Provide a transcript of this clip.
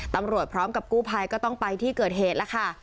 ตำรวจพร้อมกับกู้ภัยก็ต้องไปที่เกิดเหตุแล้วค่ะ